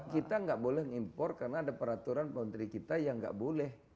kita gak boleh impor karena ada peraturan menteri kita yang gak boleh